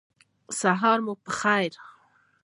سهار مو پخیر